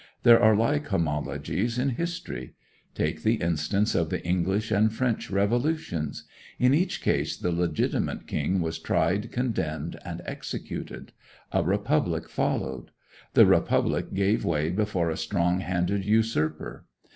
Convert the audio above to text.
There are like homologies in history. Take the instance of the English and French revolutions. In each case the legitimate king was tried, condemned, and executed. A republic followed. The republic gave way before a strong handed usurper.